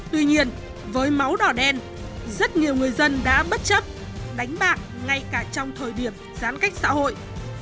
tuy nhiên với máu đỏ đen rất nhiều người dân đã bất chấp đánh bạc ngay cả trong thời điểm giãn cách xã hội